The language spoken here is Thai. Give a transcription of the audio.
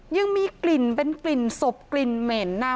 ยังมีกลิ่นเป็นกลิ่นศพกลิ่นเหม็นนะ